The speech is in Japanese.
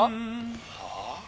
「はあ？」。